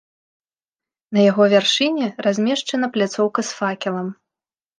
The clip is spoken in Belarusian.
На яго вяршыні размешчана пляцоўка з факелам.